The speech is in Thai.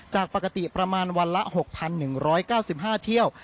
จากปกติประมาณวันละ๖๑๙๕เที่ยว